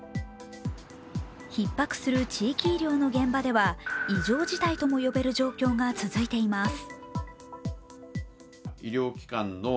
ひっ迫する地域医療の現場では異常事態とも呼べる状況が続いています。